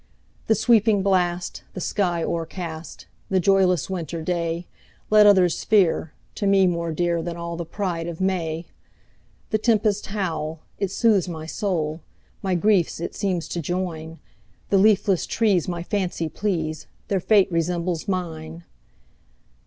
"The sweeping blast, the sky o'ercast,"The joyless winter dayLet others fear, to me more dearThan all the pride of May:The tempest's howl, it soothes my soul, My griefs it seems to join; The leafless trees my fancy please, Their fate resembles mine!